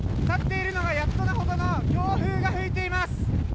立っているのがやっとなほどの強風が吹いています。